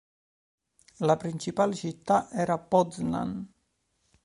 La principale città era Poznań.